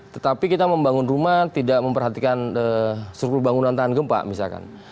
tetapi kita membangun rumah tidak memperhatikan struktur bangunan tahan gempa misalkan